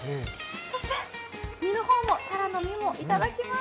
そして、たらの身もいただきます。